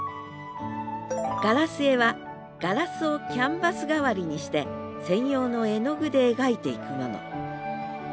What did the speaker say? ガラス絵はガラスをキャンバス代わりにして専用の絵の具で描いていくもの。